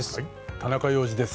田中要次です。